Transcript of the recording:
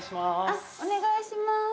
あっお願いします